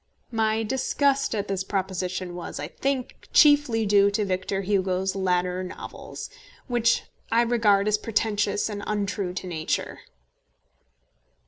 My disgust at this proposition was, I think, chiefly due to Victor Hugo's latter novels, which I regard as pretentious and untrue to nature.